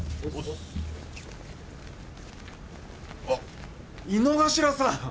あっ井之頭さん！